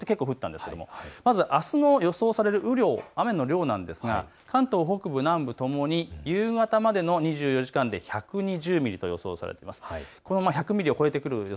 まずあす予想される雨量、雨の量なんですが関東北部南部ともに夕方までの２４時間で１２０ミリと予想されています。